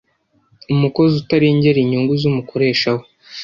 umukozi utarengera inyungu z’umukoresha we,